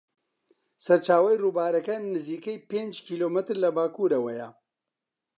سەرچاوەی ڕووبارەکە نزیکەی پێنج کیلۆمەتر لە باکوورەوەیە.